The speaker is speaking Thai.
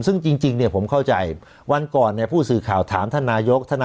ซึ่งจริงเนี่ยผมเข้าใจวันก่อนเนี่ยผู้สื่อข่าวถามท่านนายก